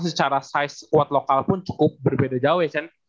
secara size what lokal pun cukup berbeda jauh ya